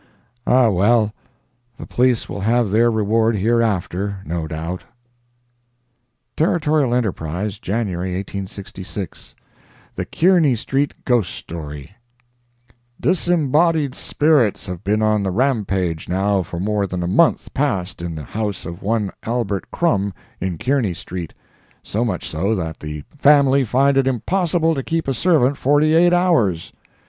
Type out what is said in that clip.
Ah, well, the police will have their reward hereafter—no doubt. Territorial Enterprise, January 1866 THE KEARNY STREET GHOST STORY Disembodied spirits have been on the rampage now for more than a month past in the house of one Albert Krum, in Kearny street—so much so that the family find it impossible to keep a servant forty eight hours.